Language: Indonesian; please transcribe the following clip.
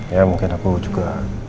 ya mungkin aku juga